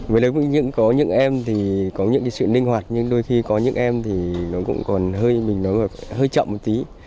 với đối với những em thì có những sự linh hoạt nhưng đôi khi có những em thì nó cũng còn hơi chậm một tí